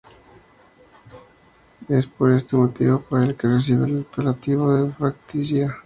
Es por este motivo por el que recibe el apelativo de "el Fratricida".